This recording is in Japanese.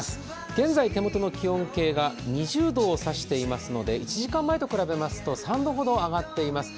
現在手元の気温計が２０度を指していますので１時間前と比べますと３度ほど上がっています。